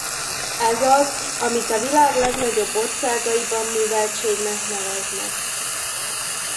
Ez az, amit a világ legnagyobb országaiban műveltségnek neveznek!